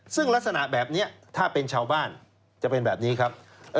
ซึ่งลักษณะแบบนี้ถ้าเป็นชาวบ้านจะเป็นแบบนี้ครับ